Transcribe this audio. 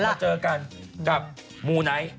มาเจอกันกับมูไนท์